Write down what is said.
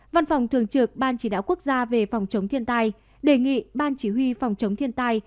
văn phòng thường trực ban chỉ đạo quốc gia về phòng chống thiên tai đề nghị ban chỉ huy phòng chống thiên tai